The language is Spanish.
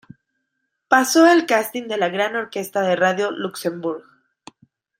Pasó el casting de la Gran Orquesta de Radio-Luxembourg.